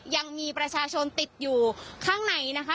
ยังมีประชาชนติดอยู่ข้างในนะคะ